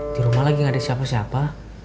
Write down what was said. di rumah lagi gak ada siapa siapa